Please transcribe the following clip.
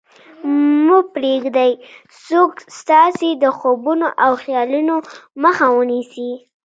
مه پرېږدئ څوک ستاسې د خوبونو او خیالونو مخه ونیسي